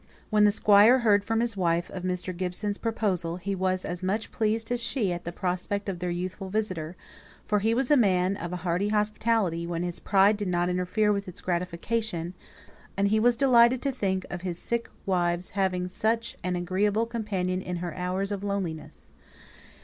When the Squire heard from his wife of Mr. Gibson's proposal, he was as much pleased as she at the prospect of their youthful visitor; for he was a man of a hearty hospitality, when his pride did not interfere with its gratification; and he was delighted to think of his sick wife's having such an agreeable companion in her hours of loneliness.